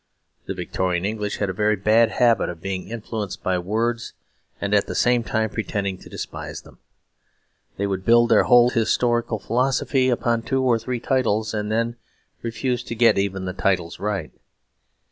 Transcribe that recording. The Victorian English had a very bad habit of being influenced by words and at the same time pretending to despise them. They would build their whole historical philosophy upon two or three titles, and then refuse to get even the titles right.